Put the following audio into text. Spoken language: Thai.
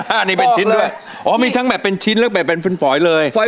อันนี้เป็นชิ้นด้วยอ๋อมีทั้งแบบเป็นชิ้นและแบบเป็นฝอยเลย